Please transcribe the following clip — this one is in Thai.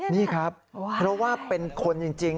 นี่ครับเพราะว่าเป็นคนจริง